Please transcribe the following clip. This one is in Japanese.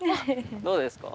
どうですか？